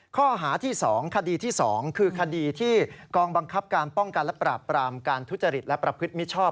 ข้อหาที่๒คดีที่๒คือคดีที่กองบังคับการป้องกันและปราบปรามการทุจริตและประพฤติมิชชอบ